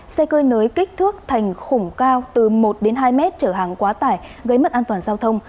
xe cơi nới kích thước thành khủng cao từ một đến hai mét trở hàng quá tải gây mất an toàn giao thông